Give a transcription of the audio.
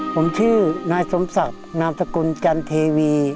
ผมชื่อนายสมศักดิ์นามสกุลจันเทวี